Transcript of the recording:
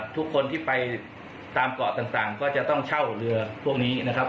ทุกคนที่ไปตามเกาะต่างก็จะต้องเช่าเรือพวกนี้นะครับ